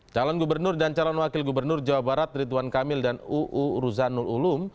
calon gubernur dan calon wakil gubernur jawa barat rituan kamil dan uu ruzanul ulum